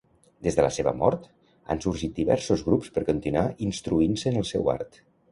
Des de la seva mort, han sorgit diversos grups per continuar instruint-se en el seu art.